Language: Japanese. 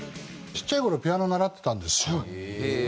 ちっちゃい頃ピアノ習ってたんですよ。